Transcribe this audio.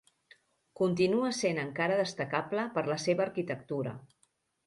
Continua sent encara destacable per la seva arquitectura.